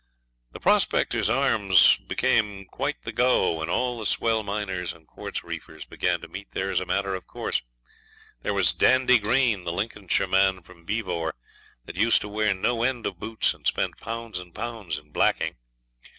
The Prospectors' Arms became quite the go, and all the swell miners and quartz reefers began to meet there as a matter of course. There was Dandy Green, the Lincolnshire man from Beevor, that used to wear no end of boots and spend pounds and pounds in blacking.